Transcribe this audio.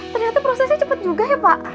ternyata prosesnya cepat juga ya pak